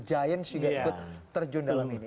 giants juga terjun dalam ini